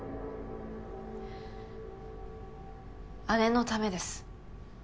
姉のためです。